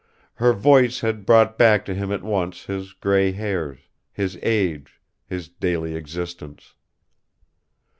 Her voice had brought back to him at once his grey hairs, his age, his daily existence